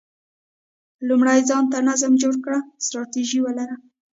لومړی ځان ته نظم جوړ کړه، ستراتیژي ولره،